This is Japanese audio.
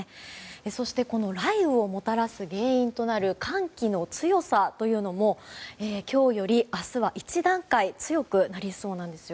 そして、雷雨をもたらす原因となる寒気の強さというのも今日より明日は１段階強くなりそうなんですよ。